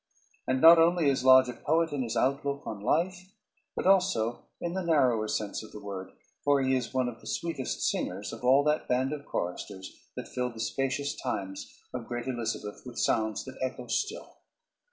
And not only is Lodge a poet in his outlook on life, but also in the narrower sense of the word, for he is one of the sweetest singers of all that band of choristers that filled the spacious times of great Elizabeth with sounds that echo still.